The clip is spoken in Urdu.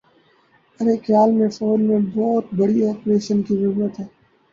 ارے خیال میں فوج میں بہت بڑے آپریشن کی ضرورت ہے